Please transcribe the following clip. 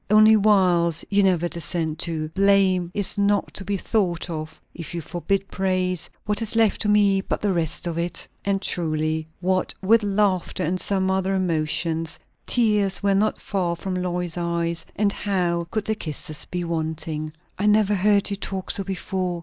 Only 'wiles' you never descend to; 'blame' is not to be thought of; if you forbid praise, what is left to me but the rest of it?" And truly, what with laughter and some other emotions, tears were not far from Lois's eyes; and how could the kisses be wanting? "I never heard you talk so before!"